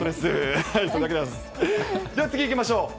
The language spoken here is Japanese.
では、次にいきましょう。